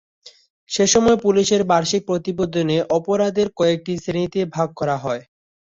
সে সময় পুলিশের বার্ষিক প্রতিবেদনে অপরাধের কয়েকটি শ্রেণিতে ভাগ করা হয়।